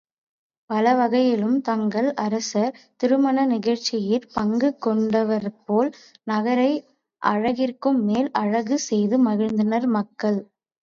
பலவகையிலும் தங்கள் அரசர் திருமண நிகழ்ச்சியிற் பங்கு கொண்டவர்போல நகரை அழகிற்குமேல் அழகு செய்து மகிழ்ந்தனர் மக்கள்.